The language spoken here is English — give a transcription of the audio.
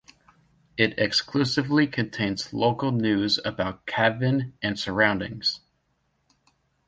It exclusively contains local news about Cavan and surroundings.